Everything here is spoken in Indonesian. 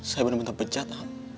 saya benar benar bejat